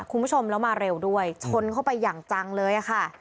คุณผู้ชมแล้วมาเร็วด้วยชนเข้าไปอย่างจังเลยค่ะ